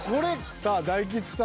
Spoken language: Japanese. さあ大吉さん